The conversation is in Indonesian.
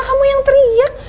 kamu yang teriak